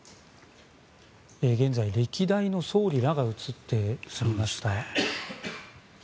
現在、歴代の総理らが映っていました。